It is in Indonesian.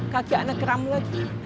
kaki anak keram lagi